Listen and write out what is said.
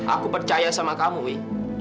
aku percaya sama kamu ya